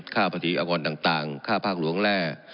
ค่าภาษีอากรต่างค่าภาคหลวงแร่